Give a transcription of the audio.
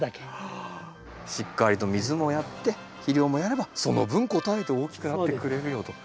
しっかりと水もやって肥料もやればその分応えて大きくなってくれるよと。